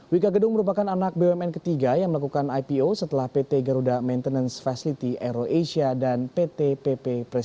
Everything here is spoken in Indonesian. wika gedung merupakan anak bumn ketiga yang melakukan ipo setelah pt garuda maintenance facility aero asia dan pt pp presiden